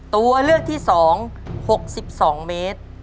ตัวเลือกที่๒๖๒เมตร